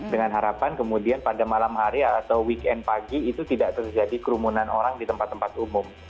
dengan harapan kemudian pada malam hari atau weekend pagi itu tidak terjadi kerumunan orang di tempat tempat umum